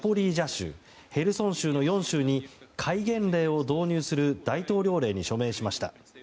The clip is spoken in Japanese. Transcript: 州、ヘルソン州の４州に戒厳令を導入する大統領令に署名しました。